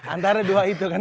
antara dua itu kan